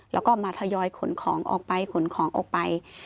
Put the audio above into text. แล้วก็มาทยอยขนของออกไปขนของออกไป